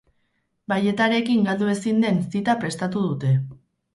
Balletarekin galdu ezin den zita prestatu dute.